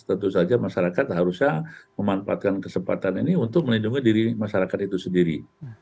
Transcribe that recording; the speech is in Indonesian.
tentu saja masyarakat harusnya memanfaatkan kesempatan ini untuk melindungi diri masyarakat itu sendiri